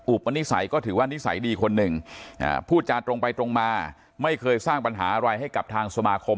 ปนิสัยก็ถือว่านิสัยดีคนหนึ่งพูดจาตรงไปตรงมาไม่เคยสร้างปัญหาอะไรให้กับทางสมาคม